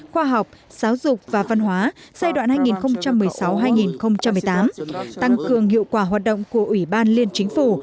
khoa học giáo dục và văn hóa giai đoạn hai nghìn một mươi sáu hai nghìn một mươi tám tăng cường hiệu quả hoạt động của ủy ban liên chính phủ